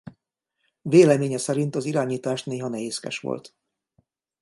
Véleménye szerint az irányítás néha nehézkes volt.